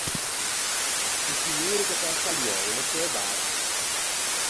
O scignoro che t’æ saluou o l’é seu barba.